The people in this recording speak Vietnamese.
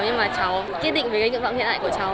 nhưng mà cháu kết định với những vọng hiện tại của cháu